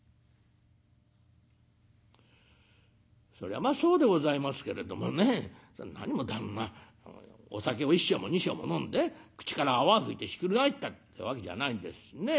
「そりゃまあそうでございますけれどもね何も旦那お酒を１升も２升も飲んで口から泡吹いてひっくり返ったってわけじゃないんですしね。